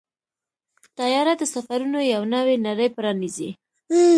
طیاره د سفرونو یو نوې نړۍ پرانیزي.